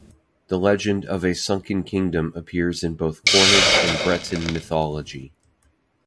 The legend of a sunken kingdom appears in both Cornish and Breton mythology.